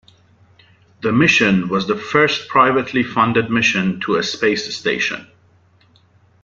The mission was the first privately funded mission to a space station.